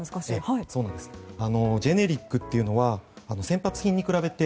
ジェネリックというのは先発品に比べて